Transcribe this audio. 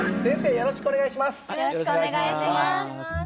よろしくお願いします！